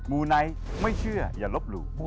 ูไนท์ไม่เชื่ออย่าลบหลู่